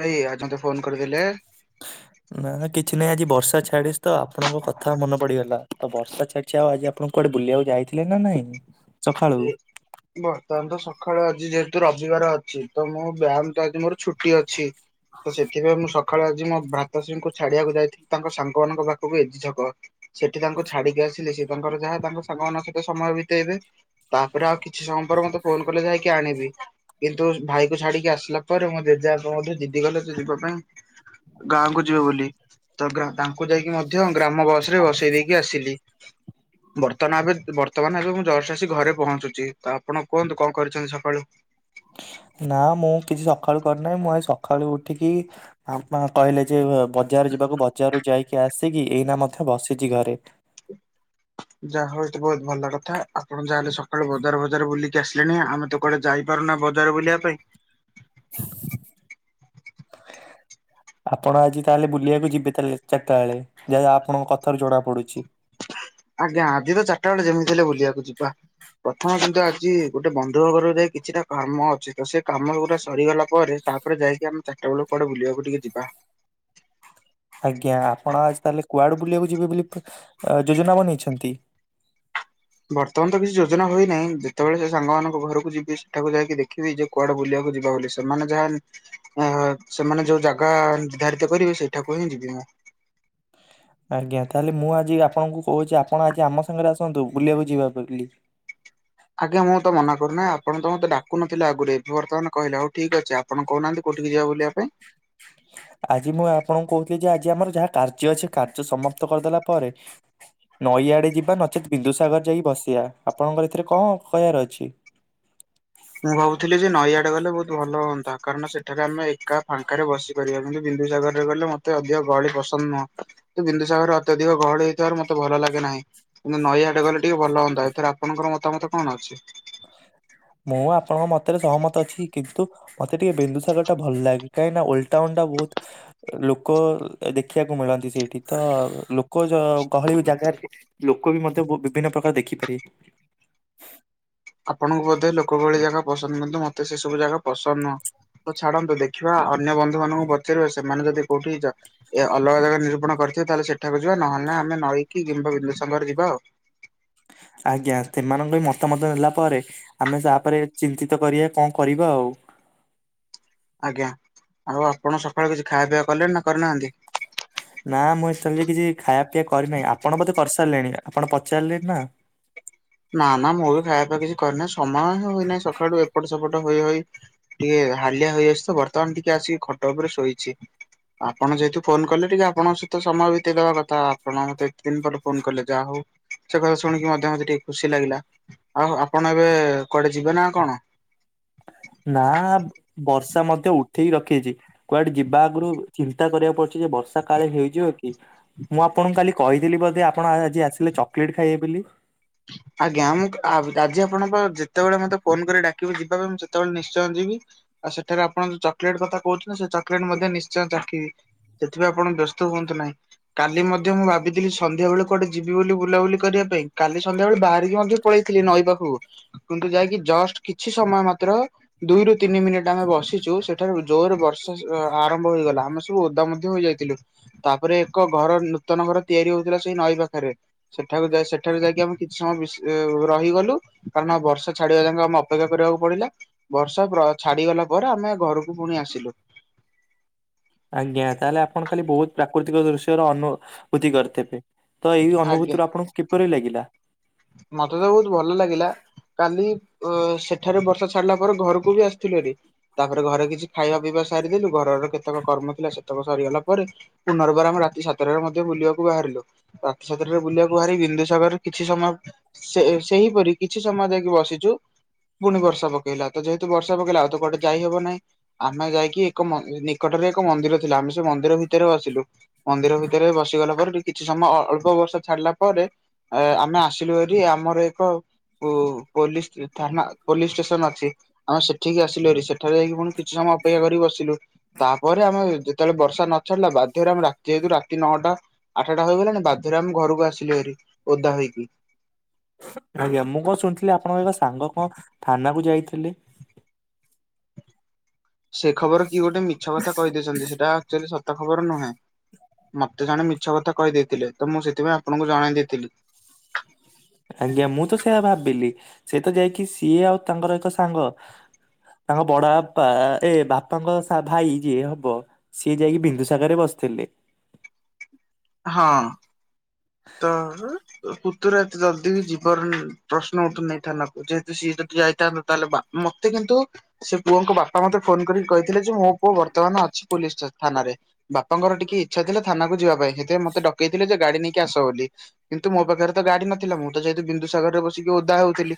ନାଇ ଆଜି ମତେ ଫୋନ କରିଦେଲେ? ନା କିଛି ନାହିଁ ଆଜି ବର୍ଷା ଛାଡିଶ ତ ଆପଣଙ୍କ କଥା ମନେ ପଡ଼ିଗଲା। ତ ବର୍ଷା ଛାଡ଼ି ଚ୍ଛା ଅ ଆଜି ଆପଣଙ୍କୁ କୁଆଡ଼େ ବୁଲିବାକୁ ଯାଇଥିଲେ ନା ନାଇଁ? ସକାଳୁ। ହୁ ବର୍ତ୍ତମାନ ତ ସକାଳୁ ଆଜି ଯେହେତୁ ରବିବାର ଅଛି ତ ମୋ ବ୍ୟାୟାମ ତ ଆଜି ମୋର ଛୁଟି ଅଛି। ତ ସେଥିପାଇଁ ମୁଁ ସଖାଳେ ଆଜି ମୋ ଭ୍ରାତାସ୍ରୀ ଙ୍କୁ ଛାଡିବାକୁ ଯାଇଥିଲି ତାଙ୍କ ସାଙ୍ଗମାନଙ୍କ ପାଖୁକୁ ଏଜି ଛକ। ସେଠି ତାଙ୍କୁ ଛାଡ଼ିକି ଆସିଲେ ସିଏ ତାଙ୍କର ଯାହା ତାଙ୍କ ସାଙ୍ଗମାନଙ୍କ ସହିତ ସମୟ ବିତେଇବେ। ତାପରେ ଆଉ କିଛି ସମୟ ପରେ ମତେ ଫୋନ କଲେ ଯାଇକି ଆଣିବି। କିନ୍ତୁ ଭାଇ କୁ ଛାଡ଼ିକି ଆସିଲା ପରେ ମୋ ଜେଜେବାପା ମୋଠୁ ଜିଦି କଲେ ସେ ଯିବା ପାଇଁ। ଗାଁକୁ ଯିବେ ବୁଲି। ତ ଗ୍ରା ତାଙ୍କୁ ଯାଇକି ମଧ୍ୟ ଗ୍ରାମ ବସ୍ ରେ ବସେଇ ଦେଇକି ଆସିଲି। ବର୍ତ୍ତନା ଆବେ ବର୍ତ୍ତମାନ ଏବେ ମୁଁ ଜଷ୍ଟ ଆସି ଘରେ ପହଞ୍ଚୁଚି। ତ ଆପଣ କୁହନ୍ତୁ କଣ କରିଚନ୍ତି ସକାଳୁ? ନା ମୁଁ କିଛି ସଖାଳୁ କରିନାଇଁ ମୁଁ ଆଜି ସଖାଳୁ ଉଠିକି ଆ ମା କହିଲେ ଯେ ବଜାର ଯିବାକୁ ବଜାରରୁ ଯାଇକି ଆସିକି ଏଇନା ମଧ୍ୟ ବସିଚି ଘରେ। ଯାହା ହଉ ଏ ତ ବହୁତ ଭଲ କଥା ଆପଣ ଯାହାହେଲେ ସକାଳୁ ବଜାର ଫଜାର ବୁଲିକି ଆସିଲେଣି ଆମେ ତ କୁଆଡ଼େ ଯାଇପାରୁନା ବଜାର ବୁଲିବା ପାଇଁ। ଆପଣ ଆଜି ତାହାଲେ ବୁଲିବାକୁ ଯିବେ ତାଲେ ଚାରଟା ବେଳେ ଯାହା ଆପଣଙ୍କ କଥାରୁ ଜଣା ପଡୁଛି। ଆଜ୍ଞା ଆଜି ତ ଚାରିଟା ବେଳେ ଯେମିତି ହେଲେ ବୁଲିବାକୁ ଯିବା ପ୍ରଥମେ କିନ୍ତୁ ଆଜି ଗୁଟେ ବନ୍ଧୁ କ ଘରୁକୁ ଯାଇ କିଛିଟା କାମ ଅଛି ତ ସେ କାମ ଗୁରା ସରିଗଲା ପରେ ତାପରେ ଯାଇକି ଆମେ ଚାରଟା ବଳୁକୁ କୁଆଡ଼େ ବୁଲବାକୁ ଟିକେ ଯିବା। ଆଜ୍ଞା ଆପଣ ଆଜି ତାହେଲେ କୁଆଡୁ ବୁଲିବାକୁ ଯିବେ ବୁଲି କ ଆ ଯୋଜନା ବନେଇଛନ୍ତି? ବର୍ତ୍ତମାନ ତ କିଛି ଯୋଜନା ହୋଇନାଇଁ ଯେତବଳେ ସେ ସାଙ୍ଗମାନଙ୍କ ଘରକୁ ଯିବି ସେଠାକୁ ଯାଇକି ଦେଖିବି ଯେ କୁଆଡ଼େ ବୁଲିବାକୁ ଯିବା ବୋଲି ସେମାନେ ଯାହା ଅ ହ ସେମାନେ ଯୋଉ ଜାଗା ନିର୍ଦ୍ଧାରିତ କରିବେ ସେଇଠାକୁ ହିଁ ଯିବି ମୁଁ। ଆଜ୍ଞା ତାହାଲେ ମୁଁ ଆଜି ଆପଣଙ୍କୁ କହୁଚି ଆପଣ ଆଜି ଆମ ସାଙ୍ଗରେ ଆସନ୍ତୁ ବୁଲିବାକୁ ଯିବା ବୋଲି। ଆଜ୍ଞା ମୁଁ ତ ମନା କରୁନି ଆପଣ ତ ମୋତେ ଡାକୁନଥିଲେ ଆଗୁରୁ ଏବେ ବର୍ତ୍ତମାନ କହିଲେ ହଉ ଠିକ ଅଛି ଆ ଆପଣ କହୁ ନାହାନ୍ତି କୋଉଠିକି ଯିବା ବୁଲିବା ପାଇଁ? ଆଜି ମୁଁ ଆପଣଙ୍କୁ କହୁଥିଲି ଯେ ଆଜି ଆମର ଯାହା କାର୍ଯ୍ୟ ଅଛି କାର୍ଯ୍ୟ ସମାପ୍ତ କରିଦେଲା ପରେ ନଈଆଡ଼େ ଯିବା ନଚେତ୍ ବିନ୍ଦୁସାଗର ଯାଇକି ବସିବା ଆପଣଙ୍କର ଏଥିରେ କଣ କହିବାର ଅଛି? ମୁଁ ଭାବୁଥିଲି ଯେ ନଈଆଡ଼େ ଗଲେ ବହୁତ ଭଲ ହଅନ୍ତା କାରଣ ସେଠାରେ ଆମେ ଏକା ଫାଙ୍କାରେ ବସିିକ କରିବା କିନ୍ତୁ ବିନ୍ଦୁସାଗରରେ ଗଲେ ମତେ ଅଧିକ ଗହଳି ପସନ୍ଦ ନୁହଁ। ତ ବିନ୍ଦୁସାଗର ଅତ୍ୟଧିକ ଗହଳି ହେଇଥିବାରୁ ମତେ ଭଲ ଲାଗେ ନାହିଁ। କିନ୍ତୁ ନଈଆଡ଼େ ଗଲେ ଟିକେ ଭଲ ହଅନ୍ତା ଏଥେରେ ଆପଣଙ୍କର ମତାମତ କଣ ଅଛି? ମୁଁ ଆପଣଙ୍କ ମତରେ ସହମତ ଅଛି କିନ୍ତୁ ମତେ ଟିକେ ବିନ୍ଦୁସାଗର ଟା ଭଲ ଲାଗେ କାହିଁକି ନା ଓଲ୍ଡ ଟାଉନ୍ ଟା ବହୁତ ଲୋକ ଦେଖିବାକୁ ମିଳନ୍ତି ସେଇଠି ତ ଲୋକ ଯ ଗହଳି ଜାଗାରେ ଲୋକ ବି ମଧ୍ୟ ବୋ ବିଭିନ୍ନ ପ୍ରକାର ଦେଖିପାରିବେ। ଆପଣଙ୍କୁ ବୋଧେ ଲୋକ ଗହଳି ଜାଗା ପସନ୍ଦ କିନ୍ତୁ ମୋତେ ସେସବୁ ଜାଗା ପସନ୍ଦ ନୁହଁ। ତ ଛାଡ଼ନ୍ତୁ ଦେଖିବା ଅନ୍ୟ ବନ୍ଧୁ ମାନଙ୍କୁ ପଚାରିବା ସେମାନେ ଯଦି କୋଉଠି ଜା ଏ ଅଲଗା ଜାଗା ନିରୂପଣ କରିଥିବେ ତାହାଲେ ସେଠାକୁ ଯିବା ନହେଲେ ନାଇଁ ଆମେ ନଈକି କିମ୍ବା ବିନ୍ଦୁସାଗର ଯିବା ଆଉ। ଆଜ୍ଞା ଥେମାନଙ୍କ ବି ମତାମତ ନେଲା ପରେ ଆମେ ତାପରେ ଚିନ୍ତିତ କରିବା କଣ କରିବା ଆଉ। ଆଜ୍ଞା ଆଉ ଆପଣ ସକାଳୁ କିଛି ଖାଇବା ପିଅ କଲେଣି ନା କରିନାହାନ୍ତି? ନା ମୁଁ ସେମିତି କିଛି ଖାଇବା ପିଇବା କରିନାହିଁ ଆପଣ ବୋଧେ କରିସାରିଲେଣି ଆପଣ ପଚାରିଲେନା? ନା ନା ମୁଁ ବି ଖାଇବା କିଛି କରିନାହିଁ ସମୟ ହି ହୋଇନାହିଁ ସକାଳୁ ଏପଟ ସେପଟ ଏ ହୋଇ ହୋଇ ଟିକେ ହାଲିଆ ହୋଇ ଆସିଚିତ ବର୍ତ୍ତମାନ ଟିକେ ଆସିକି ଖଟ ଉପରେ ଶୋଇଛି। ଆପଣ ଯେହେତୁ ଫୋନ କଲେ ଟିକେ ଆପଣଙ୍କ ସହିତ ସମୟ ବିତେଇଦବା କଥା ଆପଣ ମତେ ଏତେ ଦିନ ପରେ ଫୋନ କଲେ ଯାହା ହଉ। ସେ କଥା ଶୁଣିକି ମଧ୍ୟ ମତେ ଟିକେ ଖୁସି ଲାଗିଲା ଆଉ ଆପଣ ଏବେ କୁଆଡେ ଯିବେ ନା କଣ? ନା ବର୍ଷା ମଧ୍ୟ ଉଠେଇକି ରଖେଇଛି। କୁଆଡେ ଯିବା ଆଗରୁ ଚିନ୍ତା କରିବାକୁ ପଡୁଛି ଯେ ବର୍ଷା କାଳେ ହେଇଯିବ କି? ମୁଁ ଆପଣଙ୍କୁ କାଲି କହିଥିଲି ବୋଧେ ଆପଣ ଆଜି ଆସିଲେ ଚକୋଲେଟ ଖାଇବେ ବୋଲି। ଆଜ୍ଞା ମୁଁ ଆଜି ଆପଣଙ୍କ ଯେତେବେଳେ ମତେ ଫୋନ କରି ଡାକିବେ ଯିବା ପାଇଁ ମୁଁ ସେତେବେଳେ ନିଶ୍ଚୟ ଯିବି। ଆଉ ସେଠାରେ ଆପଣ ଯଉ ଚକଲେଟ୍ କଥା କହୁଛନ୍ତି ସେ ଚକୋଲେଟ୍ ମଧ୍ୟ ନିଶ୍ଚୟ ଚାଖି ସେଥିପାଇଁ ଆପଣ ବ୍ୟସ୍ତ ହୁଅନ୍ତୁ ନାହିଁ। କାଲି ମଧ୍ୟ ମୁଁ ଭାବିଥିଲି ସନ୍ଧ୍ୟା ବେଳେ କୁଆଡ଼େ ଯିବି ବୋଲି ବୁଲାବୁଲି କରିବା ପାଇଁ କାଲି ସନ୍ଧ୍ୟାବେଳେ ବାହାରିକି ମଧ୍ୟ ପଳେଇଥିଲି ନଈ ପାଖକୁ କିନ୍ତୁ ଯାଇକି ଜଷ୍ଟ କିଛି ସମୟ ମାତ୍ର ଦୁଇରୁ ତିନି ମିନିଟ୍ ଆମେ ବସିଛୁ ସେଠାରୁ ଜୋର ବର୍ଷା ଆରମ୍ଭ ହେଇଗଲା ଆମ ତୁ ଓଦା ମଧ୍ୟ ହେଯାଇଥିଲୁ। ତାପରେ ଏକ ଘର ନୂତନ ଘର ତିଆରି ହଉଥିଲା ସେଇ ନଈ ପାଖରେ ସେଠାକୁ ଯାଇ ସେଠାକୁ ଯାଇକି ଆମେ କିଛି ସମୟ ବି ରହିଗଲୁ କାରଣ ବର୍ଷା ଛାଡିବା ଯାକ ଆମେ ଅପେକ୍ଷା କରିବାକୁ ପଡିଲା। ବର୍ଷା ପ୍ର ଛାଡିଗଲା ପରେ ଆମେ ଘରକୁ ପୁଣି ଆସିଲୁ। ଆଜ୍ଞା ତାହେଲେ ଆପଣ କାଲି ବହୁତ ପ୍ରାକୃତିକ ଦୃଶ୍ୟର ଅନୁଭୂତି କରିଥିବେ। ତ ଏଇ ଆଜ୍ଞା ଅନୁଭୂତିୁ ଆପଣଙ୍କୁ କିପରି ଲାଗିଲା? ମତେ ତ ବହୁତ ଭଲ ଲାଗିଲା। କାଲି ଅ ସେଠାରେ ବର୍ଷା ଛାଡ଼ିଲା ପରେ ଘରକୁ ବି ଆସିଥିଲି ହେରି। ତାପରେ ଘରେ କିଛି ଖାଇବା ପିଇବା ସାରିଦଲୁ ଘରର କେତେକ କର୍ମ ଥିଲା ସେତେକ ସରିଗଲା ପରେ। ପୁନର୍ବାର ଆମେ ରାତି ସାତଟାରେ ମଧ୍ୟ ବୁଲିବାକୁ ବାହାରିଲୁ। ରାତି ସାତଟାରେ ବୁଲିବାକୁ ବାହାରି ବିନ୍ଦୁସାଗରରେ କିଛି ସମୟ ସେ ସେହିପରି କିଛି ସମୟ ଯାଇକି ବସିଛୁ। ପୁଣି ବର୍ଷା ପକେଇଲା ତ ଯେହେତୁ ବର୍ଷା ପକେଇଲା ଆଉ ତୋ କୁଆଡେ ଯାଇହବ ନାହିଁ। ଆମେ ଯାଇକି ଏକ ମ ନିକଟରେ ଏକ ମନ୍ଦିର ଥିଲା ଆମେ ସେ ମନ୍ଦିର ଭିତରେ ଵସିଲୁ। ମନ୍ଦିର ଭିତରେ ବସିଗଲା ପରେ କିଛି ସମୟ ଅଳ୍ପ ବର୍ଷା ଛାଡିଲା ପରେ ଅ ଆମେ ଆସିଲୁ ହେରି ଆମର ଏକ ପୋ ପୋଲିସ ଥାନା ପୋଲିସ ଷ୍ଟେସନ ଅଛି। ଆମେ ସେଠିକି ଆସିଲୁ ହେରି ସେଠାରେ ଯାଇକି ପୁଣି କିଛି ସମୟ ଅପେକ୍ଷା କରି ବସିଲୁ। ତାପରେ ଆମେ ଯେତେବେଳେ ବର୍ଷା ନଛଡିଲା ବାଧ୍ୟରେ ଆମେ ରାତି ଯେହତୁ ରାତି ନଅଟା। ଆଠଟା ହୋଇଗଲାଣି ବାଧ୍ୟରେ ଆମ ଘରକୁ ଆସିଲୁ ହେରି ଓଦା ହେଇକି। ଆଜ୍ଞା ମୁଁ କଣ ଶୁଣିଥିଲି ଆପଣଙ୍କ ଏକ ସାଙ୍ଗ କଣ ଥାନା କୁ ଯାଇଥିଲେ। ସେ ଖବର କିଏ ଗୋଟେ ମିଛ କଥା କହିଦେଇଛନ୍ତି ସେଟା ଆକ୍ଚୁଲି ସ ସତ ଖବର ନୁହେଁ ମତେ ଜଣେ ମିଛ କଥା କହିଦେଇଥିଲେ ତ ମୁଁ ସେଥିପାଇଁ ଆପଣଙ୍କୁ ଜଣେଇ ଦେଇଥିଲି। ଆଜ୍ଞା ମୁଁ ତ ସେଇଆ ଭାବିଲି ସେ ତ ଯାଇକି ସିଏ ଆଉ ତାଙ୍କର ଏକ ସାଙ୍ଗ ତାଙ୍କ ବଡ ବାପା ଏ ବାପାଙ୍କ ଭାଇ ଯିଏ ହବ। ସିଏ ଯାଇକି ବିନ୍ଦୁସାଗରରେ ବସିଥିଲେ। ହଁ। ତ ପୁତୁରା ଏତେ ଜଲଦି ବି ଯିବାର ପ୍ରଶ୍ନ ଉଠୁନାହିଁ ଥାନାକୁ ଯେହେତୁ ସିଏ ଯଦି ଯାଇଥାନ୍ତତା ତାହେଲେ ମତେ କିନ୍ତୁ ସେ ପୁଅଙ୍କ ବାପା ମତେ ଫୋନ କରି କହିଥିଲେ ଯେ ମୋ ପୁଅ ବର୍ତ୍ତମାନ ଅଛି ପୋଲିସି ଥାନାରେ। ବାପାଙ୍କର ଟିକେ ଇଚ୍ଛା ଥିଲା ଥାନାକୁ ଯିବାପାଇଁ ସେଥିପାଇଁ ମତେ ଡକେଇଥିଲେଯେ ଗାଡି ନେଇ କି ଆସ ବୋଲି କିନ୍ତୁ ମୋ ପାଖରେତ ଗାଡି ନଥିଲା ମୁଁ ତ ଯେହେତୁ ବିନ୍ଦୁସାଗରରେ ବସିକି ଓଦା ହଉଥିଲି।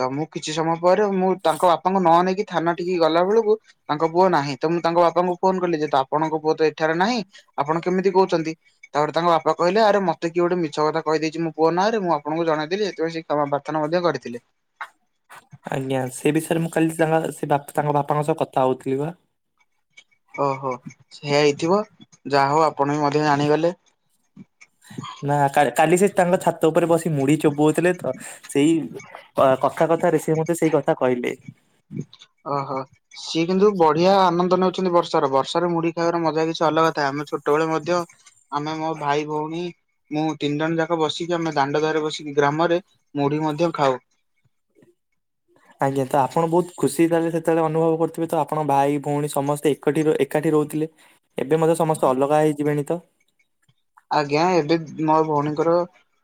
ତ ମୁଁ କିଛି ସମୟ ପରେ ମୁଁ ତାଙ୍କ ବାପାଙ୍କୁ ନନେଇକି ଥାନା ଟିକି ଗଲା ବେଳକୁ ତାଙ୍କ ପୁଅ ନାହିଁ ତ ମୁଁ ତାଙ୍କ ବାପାଙ୍କୁ ଫୋନ କଲିଯେ ଆପଣଙ୍କ ପୁଅତ ଏଠାରେ ନାହିଁ। ଆପଣ କେମିତି କହୁଛନ୍ତି ତାପରେ ତାଙ୍କ ବାପା କହିଲେ ଆରେ ମତ ମତେ କିଏ ଗୋଟେ ମିଛ କଥା କହିଦେଇଛିଁ ମୋ ପୁଅ ନାଁରେ ମୁଁ ଆପଣଙ୍କୁ ଜଣାଇଦେଲି ସେଥିପାଇଁ ସେ କ୍ଷମା ପ୍ରାର୍ଥନା ମଧ୍ୟ କରିଥିଲେ। ଆଜ୍ଞା ସେ ବିଷୟରେ ମୁଁ କାଲି ତାଙ୍କ ସେ ବାପା ତାଙ୍କ ବାପାଙ୍କ ସହ କଥା ହଉଥିଲିବା। ଓହୋ ସେଇୟା ହେଇଥିବ ଯାହାହଉ ଆପଣବି ମଧ୍ୟ ଜାଣିଗଲେ। ନା କାଲି କାଲି ସେ ତାଙ୍କ ଛାତ ଉପରେ ବସି ମୁଢି ଚୋବୋଉଥିଲେତ। ସେଇ କଥା କଥାରେ ସିଏମତେ ସେଇ କଥା କହିଲେ। ଅ ହ ସିଏ କିନ୍ତୁ ବଢିଆ ଆନନ୍ଦ ନଉଛନ୍ତି ବର୍ଷାର ବର୍ଷାରେ ମୁଢି ଖାଇବାର ମଜା କିଛି ଅଲଗା ଥାଏ ଆମେ ଛୋଟବେଳେ ମଧ୍ୟ ଆମେ ମୋ ଭାଇ ଭଉଣୀ ମୁଁ ତିନି ଜଣ ଯାକ ବସିକି ଆମେ ଦାଣ୍ଡ ଦୁଆରେ ବସିକି ଗ୍ରାମରେ ମୁଢି ମଧ୍ୟ ଖାଉ। ଆଜ୍ଞା ତ ଆପଣ ବହୁତ ଖୁସି ହେଇଥାନ୍ତେ ସେତେବେଳେ ଅନୁଭବ କରୁଥିବେତ ଆପଣ ବାହାହେଇ ପୁଣି ସମସ୍ତେ ଏକାଠି ଏକାଠି ରହୁଥିଲେ ଏବେ ମଧ୍ୟ ସମସ୍ତେ ଅଲଗା ହେଇଯିବେଣିତ ଆଜ୍ଞା ଏବେ ମୋ ଭଉଣୀଙ୍କର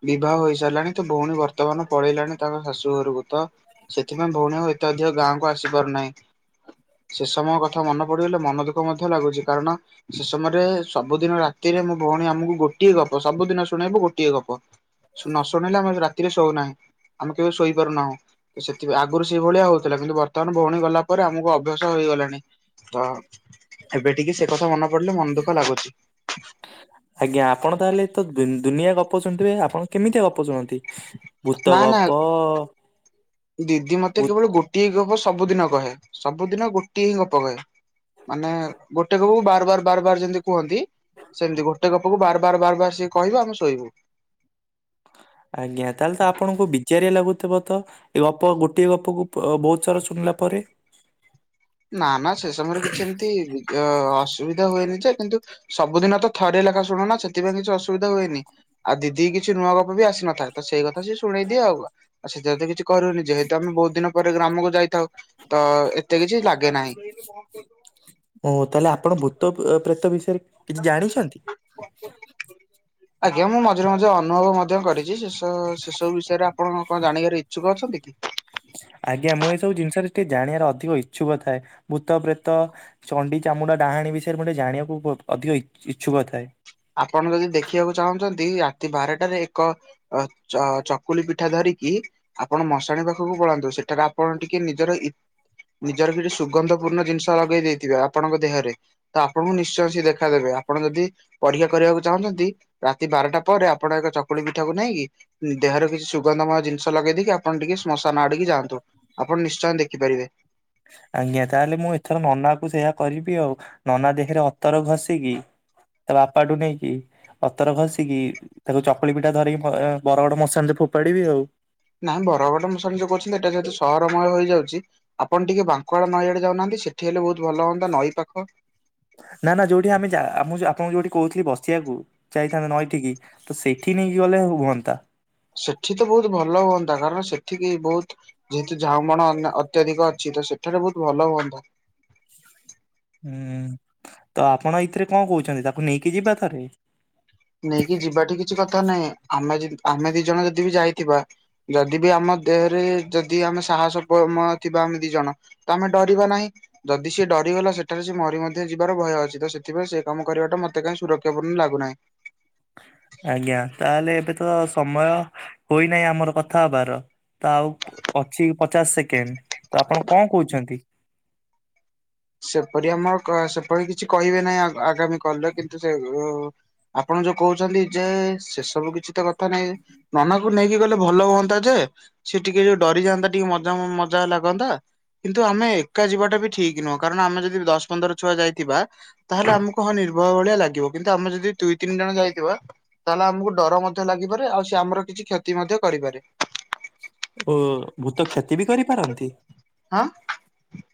ବିବାହ ହୋଇ ସାରିଲାଣି ତଭଉଣୀ ବର୍ତ୍ତମାନ ପଳେଇଲାଣି ତାଙ୍କ ଶାଶୁ ଘରକୁତ ସେଥିପାଇଁ ଭଉଣୀ ଆଉ ଏତେ ଅଧିକ ଗାଁକୁ ଆସିପାରୁନାହିଁ। ସେ ସମୟ କଥା ମନେ ପଡିଗଲେ ମନ ଦୁଃଖ ମଧ୍ୟ ଲାଗୁଛି କାରଣ ସେ ସମୟରେ ସବୁଦିନ ରାତିରେ ମୋ ଭଉଣୀ ଆମକୁ ଗୋଟିଏ ଗପ ସବୁଦିନ ଶୁଣେଇବୁ ଗୋଟିଏ ଗପ ନଶୁଣେଇଲେ ଆମେ ରାତିରେ ଶୋଉନା ଆମେ କେବେ ଶୋଇପାରୁନାହୁଁ। ସେଥିପାଇଁ ଆଗରୁ ସେଇଭଳିଆ ହଉଥିଲା କିନ୍ତୁ ବର୍ତ୍ତମାନ ଭଉଣୀ ଗଲା ପରେ ଆମକୁ ଅଭ୍ୟାସ ହେଇଗଲାଣି। ତ ଏବେ ଟିକିଏ ସେକଥା ମନେ ପଡିଲେ ମନ ଦୁଃଖ ଲାଗୁଛି। ଆଜ୍ଞା ଆପଣ ତାହେଲେତ ଦୁନି ଦୁନିଆ ଗପ ଶୁଣୁଥିବେ ଆପଣ କେମିତିଆ ଗପ ଶୁଣନ୍ତି? ଭୂତ ନା ନା ଗପ ଦିଦି ମତେ ଭୂ- କେବଳ ଗୋଟିଏହିଁ ଗପ ସବୁଦିନ କହେ ସବୁଦିନ ଗୋଟିଏହିଁ ଗପ କହେ। ମାନେ ଗୋଟେ ଗପକୁ ବାର ବାର ବାର ବାର ଯେମିତି କୁହନ୍ତି ସେମିତି ଗୋଟେ ଗପକୁ ବାର ବାର ବାର ବାର ସିଏ କହିବ ଆମେ ଶୋଇବୁ। ଆଜ୍ଞା ତାହେଲେତ ଆପଣଙ୍କୁ ବି ଚେରିଆ ଲାଗୁଥିବତ ଏଗପ ଗୋଟିଏ ଗପକୁ ବହୁତ ଥର ଶୁଣିଲା ପରେ ନା ନା ସେ ସମୟରେ କିଛି ଏମିତି ଅ ଅସୁବିଧା ହୁଏନିଯେ କିନ୍ତୁ ସବୁଦିନତ ଥରିଏ ଲେଖା ଶୁଣୁନା ସେଥିପାଇଁ କିଛି ଅସୁବିଧା ହୁଏନି। ଆଉ ଦିଦି କିଛି ନୂଆ ଗପବି ଆସିନଥାଏ ତ ସେଇ କଥା ସିଏ ଶୁଣେଇଦିଏ ଆଉବା ଆଉ ସେ ଜଦି କିଛି କରୁନି ଯେହେତୁ ଆମେ ବହୁତ ଦିନ ପରେ ଗ୍ରାମକୁ ଯାଇଥାଉ ତ ଏତେ କିଛିହେଲା। ତେ ନାହିଁ। ଓ ତାହେଲେ ଆପଣ ଭୁତ ଏ ପ୍ରେତ ବିଷୟରେ କିଛି ଜାଣୁଛନ୍ତି। [inaudible] ଆଜ୍ଞା ମୁଁ ମଝିରେ ମଝିରେ ଅନୁଭବ ମଧ୍ୟ କରିଛି ସେ ସବୁ ସେ ସବୁ ବିଷୟରେ ଆପଣ କଣ ଜାଣିବାରେ ଇଛୁକ ଅଛନ୍ତି କି? ଆଜ୍ଞା ମୁଁ ଏସବୁ ଜିନିଷରେ ଟିକେ ଜାଣିବାର ଅଧିକ ଇଛୁକ ଥାଏ ଭୁତ ପ୍ରେତ ଚଣ୍ଡି ଚାମୁଡା ଡାହାଣୀ ବିଷୟରେ ମୋର ଟିକେ ଜାଣିବାକୁ ଅଧିକ ଇଛୁକ ଥାଏ। ଆପଣ ଯଦି ଦେଖିବାକୁ ଚାହୁଁଛନ୍ତି ରାତି ବାରଟାରେ ଏକ ଅ ଚ ଚକୁଳି ପିଠା ଧରିକି ଆପଣ ମଶାଣି ପାଖକୁ ପଳାନ୍ତୁ ସେଠାରେ ଆପଣ ଟିକେ ନିଜର ଇ ନିଜର ବିଟେକେ ସୁଗନ୍ଧ ପୂର୍ଣ୍ଣ ଜିନିଷ ଲଗେଇ ଦେଇଥିବେ, ଆପଣଙ୍କ ଦେହରେ ତ ଆପଣଙ୍କୁ ନିଶ୍ଚୟ ସିଏ ଦେଖାଦେବେ। ଆପଣ ଯଦି ପରୀକ୍ଷା କରିବାକୁ ଚାହୁଁଛନ୍ତି। ରାତି ବାରଟା ପରେ ଆପଣ ଏକ ଚକୁଳି ପିଠାକୁ ନେଇଁକି ପଦା ଦେହରେ କିଛି ସୁଗନ୍ଧମୟ ଜିନିଷ ଲଗେଇ ଦେଇକି, ଆପଣ ଟିକେ ସ୍ମଶାନ ଆଡିକି ଯାଆନ୍ତୁ। ଆପଣ ନିଶ୍ଚୟ ଦେଖିପାରିବେ। ଆଜ୍ଞା! ତାହେଲେ ମୁଁ ଏଥର ନନା କୁ ସେୟା କରିବି ଆଉ, ନନା ଦେହରେ ଅତର ଘଷିକି ତା ବାପାଠୁ ନେଇକି ଅତର ଘସିକି ତାକୁ ଚକୁଳି ପିଠା ଧରିକି ବର ଗଡ ମଶଣି ରେ ଫୋପାଡିବି ଆଉ ନାହିଁ ବଡ଼ ବଡ଼ ମିଶନ ଯୋଉ କରୁଛନ୍ତି, ଏଇଟା ଯେହେତୁ ସହରମୟ ହେଇଯାଉଛି। ଆପଣ ଟିକେ ବାଙ୍କ ନଈ ଆଡେ ଯାଉନାହାନ୍ତି। ସେଠି ହେଲେ ବହୁତ ଭଲ ହୁଅନ୍ତା, ନଈ ପାଖ ନା -ନା ଯୋଉଠି ଆମେ ଯା ଆପଣଙ୍କୁ ଯୋଉଠି କହୁଥିଲି ବସିବାକୁ। ଯାଇଥାନ୍ତା ନଇଠିକି, ତ ସେଇଠି ନେଇକି ଗଲେ ହୁଅନ୍ତା। ସେଠି ତ ବହୁତ ଭଲ ହୁଅନ୍ତା। କାରଣ ସେଠିକି ବହୁତ ଯେହେତୁ ଝାଉ ବଣ ଅତ୍ୟଧିକ ଅଛି। ତ ସେଠାରେ ବହୁତ ଭଲ ହୁଅନ୍ତା। ହୁଁ, ତ ଆପଣ ଏଇଥିରେ କଣ କହୁଛନ୍ତି। ତାକୁ ନେଇକି ଯିବା ଥରେ ନେଇକି ଯିବାଟ କିଛି କଥା ନାହିଁ, ଆମେ -ଆମେ ଦି ଜଣ ଯଦି ବି ଯାଇଥିବା। ଯଦି ବି ଆମ ଦେହରେ, ଯଦି ଆମେ ସାହସମ ଥିବା ଆମେ ଦି ଜଣ ତମେ ଆମେ ଡରିବା ନାହିଁ। ଯଦି ସିଏ ଡରିଗଲା ସେଠାରେ ସ ମରି ମଧ୍ୟ ଯିବାର ଭୟ ଅଛି। ତ ସେଥିପାଇଁ ସେ କାମ କରିବା ଟା ମୋତେ କାହିଁ ସୁରକ୍ଷାପୂର୍ଣ୍ଣ ବୋଲି ଲାଗୁନାହିଁ। ଆଜ୍ଞା! ତାହେଲେ ଏବେ ତ ସମୟ ହୋଇନାହିଁ ଆମର କଥା ହବାର। ତ ଆଉ ଅଛି ପଚାଶ ସେକେଣ୍ଡ, ତ ଆପଣ କଣ କହୁଛନ୍ତି? ସେପରି ଆମର ସେପରି କିଛି କହିବେ ନାହିଁ। ଆଗାମୀ କଲରେ କିନ୍ତୁ ସେ ଉଁ ଆପଣ ଯୋଉ କହୁଛନ୍ତି ଯେ, ସେ ସବୁ କିଛି ତ କଥା ନାହିଁ। ମାମାକୁ କୁ ନେଇକି ଗଲେ ଭଲ ହୁଅନ୍ତା ଯେ, ସେ ଟିକେ ଡରିଯାଆନ୍ତା ଟିକେ ମଜା -ମଜା ଲାଗନ୍ତା। କିନ୍ତୁ ଆମେ ଏକା ଯିବାଟା ବି ଠିକ ନୁହଁ, କାରଣ ଆମେ ଯଦି ଦଶ ପନ୍ଦର ଛୁଆ ଯାଇଥିବା। ତାହେଲେ ଆମକୁ ହଁ ନିର୍ଭର ଭଳିଆ ଲାଗିବ। କିନ୍ତୁ ଆମେ ଯଦି ଦୁଇ ତିନି ଜଣ ଯାଇଥିବା ତାହେଲେ ଆମକୁ ଡର ମଧ୍ୟ ଲାଗିପାରେ, ଆଉ ସେ ଆମର କିଛି କ୍ଷତି ମଧ୍ୟ କରିପାରେ। ଓ ଭୂତ କ୍ଷତି ବି କରିପାରନ୍ତି। ହଁ।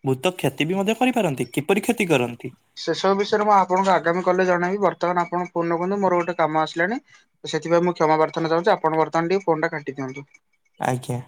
ଭୂତ କ୍ଷତି ବି ମଧ୍ୟ କରିପାରନ୍ତି। କିପରି କ୍ଷତି କରନ୍ତି। ସେସବୁ ବିଷୟରେ ମୁଁ ଆପଣଙ୍କୁ ଆଗାମୀ କଲରେ ଜଣେଇବି। ବର୍ତ୍ତମାନ ଆପଣ ଫୋନ ରଖନ୍ତୁ ମୋର ଗୋଟେ କାମ ଆସିଲାଣି। ସେଥିପାଇଁ କ୍ଷମାପ୍ରାର୍ଥନା ଚାହୁଁଛି। ଆପଣ ବର୍ତ୍ତମାନ ଟିକେ ଫୋନଟା କାଟି ଦିଅନ୍ତୁ। ଆଜ୍ଞା!